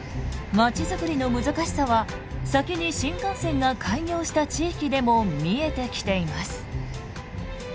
まちづくりの難しさは先に新幹線が開業した地域でも見えてきています。